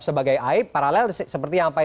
sebagai aib paralel seperti yang apa yang